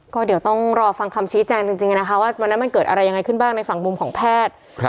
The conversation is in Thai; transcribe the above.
ก็เดี๋ยวต้องรอฟังคำชี้แจงจริงนะคะว่าวันนั้นมันเกิดอะไรยังไงขึ้นบ้างในฝั่งมุมของแพทย์